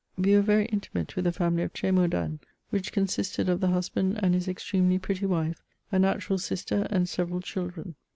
We were very intimate with the family of Tr^maudan, which consisted of the husband and his extremely pretty wife, a natural sister and several children.